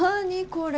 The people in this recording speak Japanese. これ。